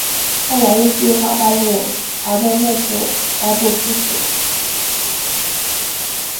后来因为计划败露而被幕府逮捕处死。